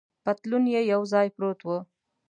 پتلون یې یو ځای پروت و.